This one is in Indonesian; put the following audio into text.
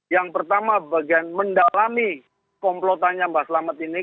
yang pertama bagian mendalami komplotannya mbak selamat ini